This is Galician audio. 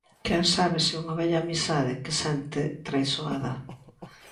Quen sabe se unha vella amizade que sente traizoada.